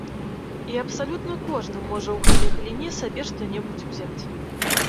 І абсалютна кожны можа ў гэтай галіне сабе што-небудзь узяць.